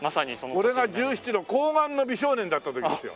俺が１７の紅顔の美少年だった時ですよ。